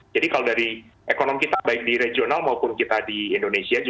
jadi kalau dari ekonom kita baik di regional maupun kita di indonesia